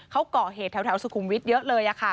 เขาก่อเหตุแถวสุขุมวิทย์เยอะเลยค่ะ